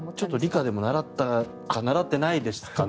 理科でも習ったか習ってないですかね。